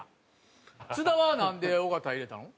津田はなんで尾形入れたの？